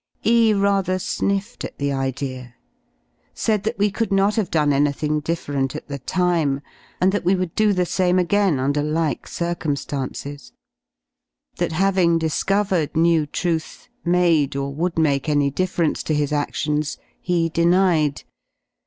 E rather sniffed at the idea: said that we could not have done anything different at the time, and that we would A do the same again under like circumrfanccs : that having ' 52 discovered new truth made, or would make, any difference to his adlions, he denied.